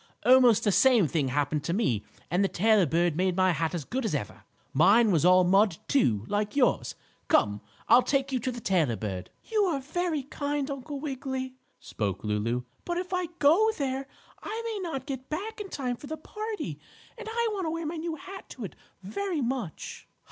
Almost the same thing happened to me and the tailor bird made my hat as good as ever. Mine was all mud, too, like yours. Come, I'll take you to the tailor bird." "You are very kind, Uncle Wiggily," spoke Lulu, "but if I go there I may not get back in time for the party, and I want to wear my new hat to it, very much."